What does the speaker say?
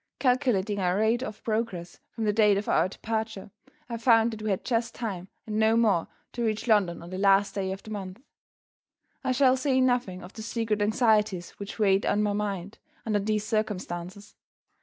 Calculating our rate of progress from the date of our departure, I found that we had just time, and no more, to reach London on the last day of the month. I shall say nothing of the secret anxieties which weighed on my mind, under these circumstances.